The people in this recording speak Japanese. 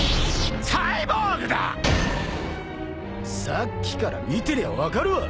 さっきから見てりゃ分かるわ！